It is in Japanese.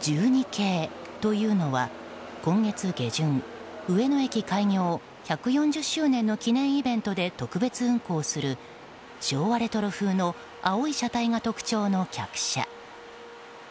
１２系というのは、今月下旬上野駅開業１４０年の記念イベントで特別運行する昭和レトロ風の青い車体が特徴の客車。